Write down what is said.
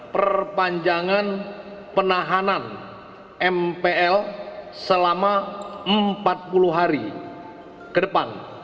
perpanjangan penahanan mpl selama empat puluh hari ke depan